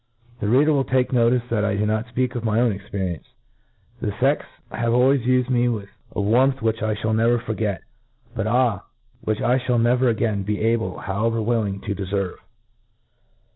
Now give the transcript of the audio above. The reader will take notice that I do not fpeak my own experience : The fex have always ufed me with a warmth which I fliall never forget, but, ah ! which I fhall never again be able, however willing, to deferve.